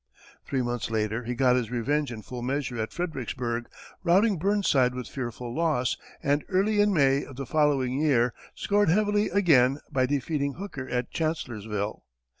Three months later, he got his revenge in full measure at Fredericksburg, routing Burnside with fearful loss, and early in May of the following year scored heavily again by defeating Hooker at Chancellorsville.